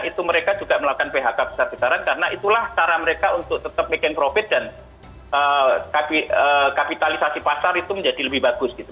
itu mereka juga melakukan phk besar besaran karena itulah cara mereka untuk tetap making profit dan kapitalisasi pasar itu menjadi lebih bagus gitu